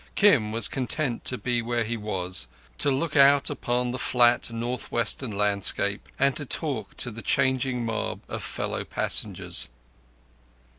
Kim was content to be where he was, to look out upon the flat North Western landscape, and to talk to the changing mob of fellow passengers.